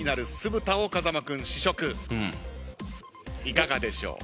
いかがでしょう？